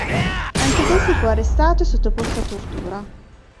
Anche questi fu arrestato e sottoposto a tortura.